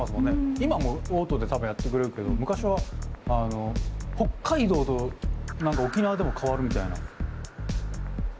今もうオートで多分やってくれるけど昔は北海道と沖縄でも変わるみたいな。